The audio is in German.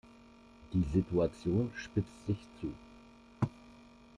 Die Situation spitzt sich zu.